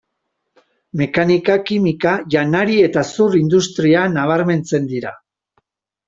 Mekanika, kimika, janari eta zur industria nabarmentzen dira.